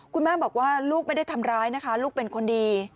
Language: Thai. คุณแม่บอกว่าลูกไม่ได้ทำร้ายนะคะลูกเป็นคนดี